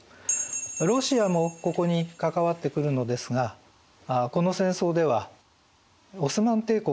ロシアもここに関わってくるのですがこの戦争ではオスマン帝国を支援しました。